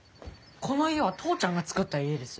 この家は父ちゃんが作った家です。